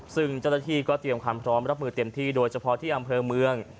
ซึ่งเจ้าหน้าที่ก็เตรียมความพร้อมรับมือเต็มที่โดยเฉพาะที่อำเภอเมือง